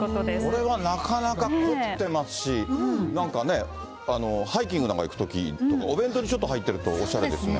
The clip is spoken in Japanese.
これはなかなか凝ってますし、なんかね、ハイキングなんか行くとき、お弁当にちょっと入ってると、おしゃれですね。